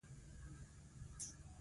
وار له مخه مو ټکټ نه و ریزرف کړی.